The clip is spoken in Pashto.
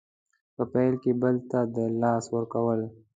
په پیل کې بل ته د لاس ورکول